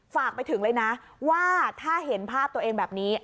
ฝากไปถึงเลยนะว่าถ้าเห็นภาพตัวเองแบบนี้